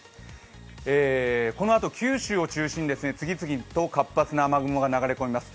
このあと、九州を中心に次々と活発な雨雲が流れ込みます。